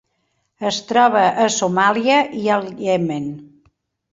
Es troba a Somàlia i el Iemen.